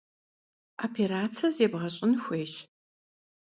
Vopêratse zêbğeş'ın xuêyş.